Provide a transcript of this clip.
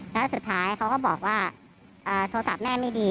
แล้วสุดท้ายเขาก็บอกว่าโทรศัพท์แม่ไม่ดี